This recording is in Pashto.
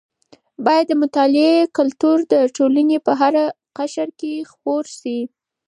باید د مطالعې کلتور د ټولنې په هره قشر کې خپور شي.